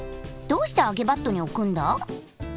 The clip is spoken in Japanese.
どうしてあげバットにおくんだ？